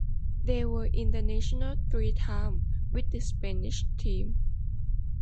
They were international three times with the Spanish team.